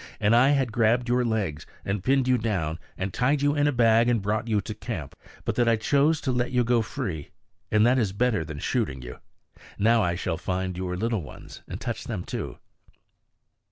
And I had grabbed your legs, and pinned you down, and tied you in a bag, and brought you to camp, but that I chose to let you go free. And that is better than shooting you. Now I shall find your little ones and touch them too."